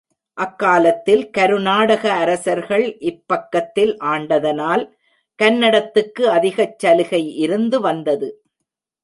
அக்காலத்தில் கருநாடக அரசர்கள் இப்பக்கத்தில் ஆண்டதனால் கன்னடத்துக்கு அதிகச் சலுகை இருந்து வந்தது.